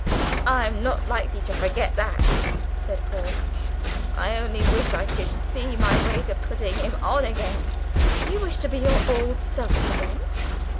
"I'm not likely to forget that," said Paul; "I only wish I could see my way to putting him on again!" "You want to be your old self again?"